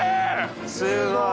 すごい。